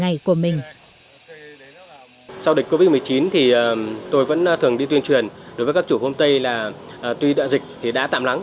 sau đợt covid một mươi chín tôi vẫn thường đi tuyên truyền đối với các chủ hôm tây là tuy đã dịch thì đã tạm lắng